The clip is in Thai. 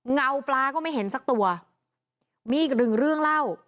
เงาปลาก็ไม่เห็นสักตัวมีอีกหนึ่งเรื่องเล่า